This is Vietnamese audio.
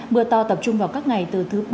mưa to tập trung vào các ngày từ thứ ba